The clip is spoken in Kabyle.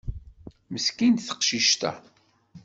Meskint teqcict-a.